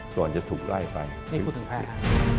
ก่อนจะถูกไล่ไปถูกจริงค่ะนี่คุณถึงแพ้ค่ะ